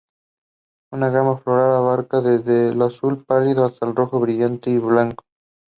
He started bowling at the age of two.